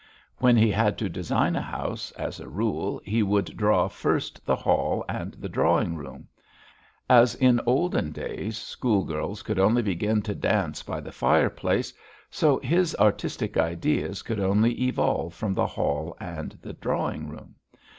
When he had to design a house, as a rule he would draw first the hall and the drawing room; as in olden days schoolgirls could only begin to dance by the fireplace, so his artistic ideas could only evolve from the hall and drawing room.